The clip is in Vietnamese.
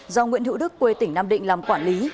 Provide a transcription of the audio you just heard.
do nguyễn hữu đức quê tỉnh nam định làm quản lý